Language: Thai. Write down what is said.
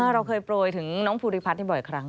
เราเคยโปรยถึงน้องภูริพัฒน์บ่อยครั้ง